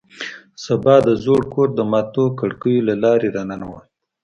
سبا د زوړ کور د ماتو کړکیو له لارې راننوت